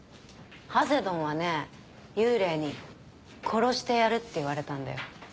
ハセドンはね幽霊に「殺してやる」って言われたんだよ。